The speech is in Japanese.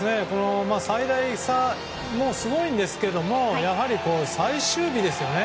最大差もすごいんですけれども最終日ですよね。